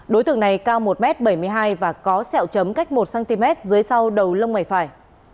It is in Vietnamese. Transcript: đối tượng này cao một m bảy mươi hai và có sẹo chấm cách một cm dưới sau đầu lông mày phải